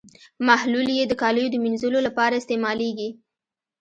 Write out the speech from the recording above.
محلول یې د کالیو د مینځلو لپاره استعمالیږي.